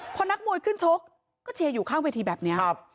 พอนักมวยขึ้นชกก็เชียร์อยู่ข้างเวทีแบบนี้